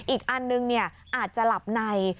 อีกอันนึงอาจจะหลับใน